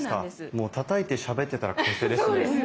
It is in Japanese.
もうたたいてしゃべってたら完成ですね。